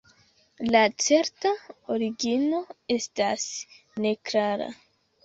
La certa origino estas neklara.